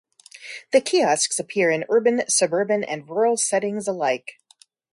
The kiosks appear in urban, suburban and rural settings alike.